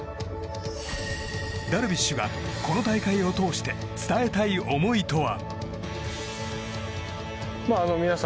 ダルビッシュがこの大会を通して伝えたい思いとは？